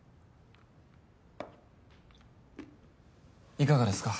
いかがですか？